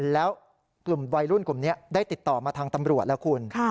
แล้วกลุ่มวัยรุ่นกลุ่มนี้ได้ติดต่อมาทางตำรวจแล้วคุณ